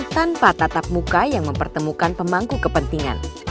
tanpa tatap muka yang mempertemukan pemangku kepentingan